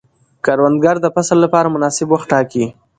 کروندګر د فصل لپاره مناسب وخت ټاکي